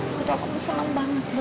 aku tau kamu seneng banget boy